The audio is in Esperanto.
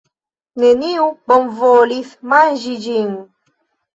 Neniu bonvolis manĝi ĝin.